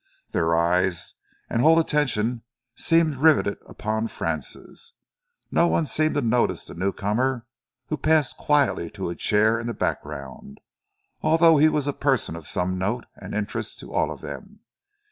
Their eyes and whole attention seemed rivetted upon Francis. No one seemed to notice the newcomer who passed quietly to a chair in the background, although he was a person of some note and interest to all of them.